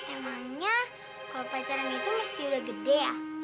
temanya kalau pacaran itu mesti udah gede ya